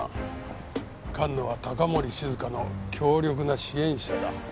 菅野は高森静香の強力な支援者だ。